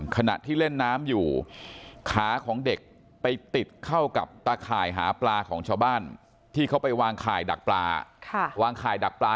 ขณะที่เล่นน้ำอยู่ขาของเด็กไปติดเข้ากับตาข่ายหาปลาของชาวบ้านที่เขาไปวางข่ายดักปลาวางข่ายดักปลา